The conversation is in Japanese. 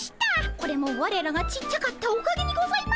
これもわれらがちっちゃかったおかげにございますねぇ。